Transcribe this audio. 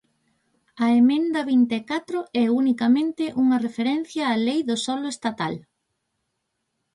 A emenda vinte e catro é unicamente unha referencia á Lei do solo estatal.